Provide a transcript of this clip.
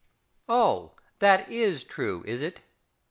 Oh, that is true, is it?